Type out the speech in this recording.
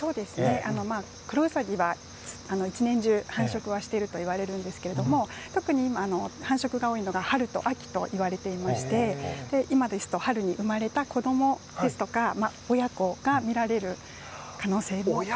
クロウサギは１年中、繁殖しているとは言われるんですが特に繁殖が多いのが春と秋といわれていまして今ですと春に生まれた子どもですとか親子が見られる可能性もあります。